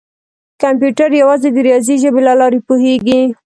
کمپیوټر یوازې د ریاضي ژبې له لارې پوهېږي.